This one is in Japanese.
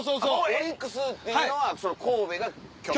オリックスっていうのは神戸が拠点？